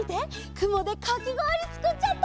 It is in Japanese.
くもでかきごおりつくっちゃった！